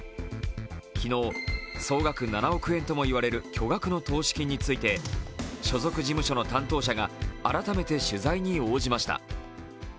昨日、総額７億円ともいわれる巨額の投資金について所属事務所の担当者が改めて取材に応じました。